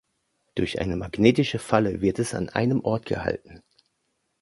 Durch eine magnetische Falle wird es an einem Ort gehalten.